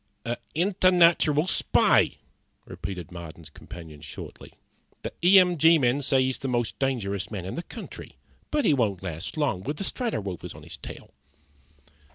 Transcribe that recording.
"A internatural spy," repeated Marden's companion, shortly. "The E M G men say he's the most dangerous man in the country. But he won't last long with the Strato Rovers on his trail."